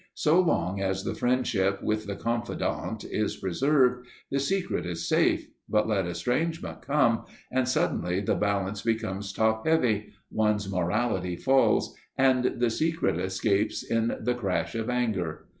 So long as the friendship with the confidant is preserved, the secret is safe, but let estrangement come, and suddenly the balance becomes top heavy; one's morality falls and the secret escapes in the crash of anger.